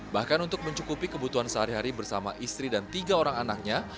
bahkan untuk mencukupi kebutuhan sehari hari bersama istri dan tiga orang anaknya